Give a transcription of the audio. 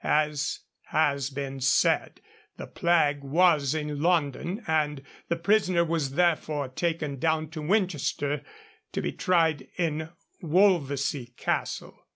As has been said, the plague was in London, and the prisoner was therefore taken down to Winchester, to be tried in Wolvesey Castle.